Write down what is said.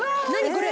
これ。